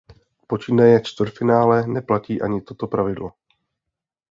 Počínaje čtvrtfinále neplatí ani toto pravidlo.